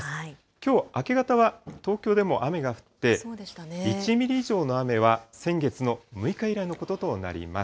きょう明け方は、東京でも雨が降って、１ミリ以上の雨は先月の６日以来のこととなります。